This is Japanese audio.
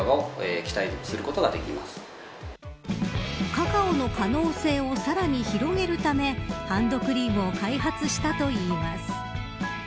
カカオの可能性をさらに広げるためハンドクリームを開発したといいます。